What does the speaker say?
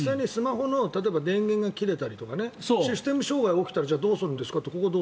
例えば電源が切れたりとかシステム障害が起きたらどうするんですかって。